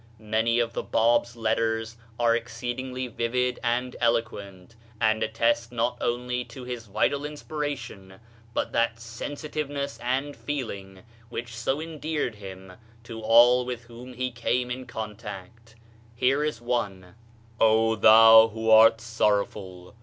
Many of the Bab's letters are exceedingly vivid and eloquent, and attest not only his vital inspiration, but that sensitive ness and feeling which so endeared him to all with whom he came in contact. Here is one : "Oh, thou who art sorrowful!